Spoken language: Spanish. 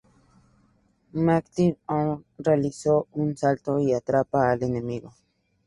Mystic Arrow: realiza un salto y atrapa al enemigo.